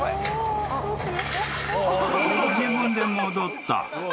［自分で戻った］